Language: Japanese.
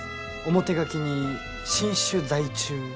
表書きに「新種在中」と。